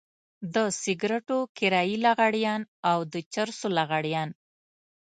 د سګرټو کرايي لغړيان او د چرسو لغړيان.